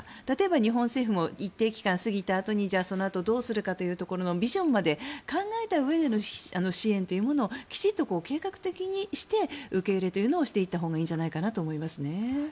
例えば、日本政府も一定期間過ぎたあとにじゃあ、そのあとどうするかというところのビジョンまで考えたうえでの支援というものをきちっと計画的にして受け入れというのをしていったほうがいいんじゃないかと思います。